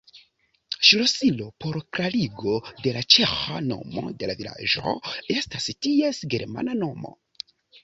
Ŝlosilo por klarigo de la ĉeĥa nomo de la vilaĝo estas ties germana nomo.